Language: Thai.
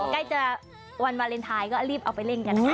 ใกล้จะวันวาเลนไทยก็รีบเอาไปเล่นกันนะคะ